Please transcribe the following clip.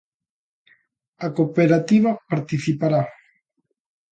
A cooperativa participará.